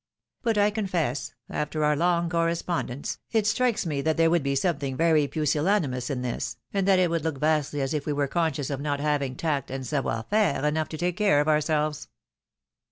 But I confess, after our long correspondence, it strikes me that there would be something very piisillanimous in this, and that it would look vastly as if we were conscious of not having tact and savoir faire enough to take care of ourselves."